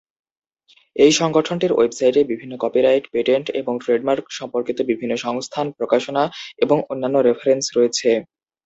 এই সংগঠনটির ওয়েবসাইটে বিভিন্ন কপিরাইট, পেটেন্ট এবং ট্রেডমার্ক সম্পর্কিত বিভিন্ন সংস্থান, প্রকাশনা এবং অন্যান্য রেফারেন্স রয়েছে।